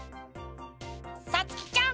さつきちゃん。